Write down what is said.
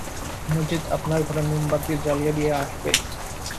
মজিদ আপনার ঘরে মোমবাতি জ্বালিয়ে দিয়ে আসবে।